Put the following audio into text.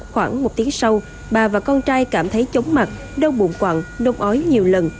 khoảng một tiếng sau bà và con trai cảm thấy chống mặt đau bụng quặng nôn ói nhiều lần